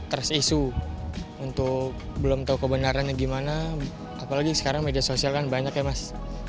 terus isu untuk belum tahu kebenarannya gimana apalagi sekarang media sosial kan banyak ya mas